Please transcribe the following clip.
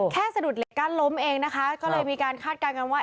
สะดุดเหล็กกั้นล้มเองนะคะก็เลยมีการคาดการณ์กันว่า